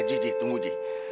ji ji tunggu ji